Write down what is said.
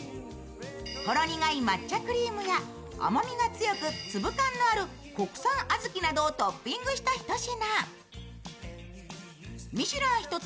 ほろ苦い抹茶クリームは甘みが強く粒感のある国産小豆などをトッピングしたひと品。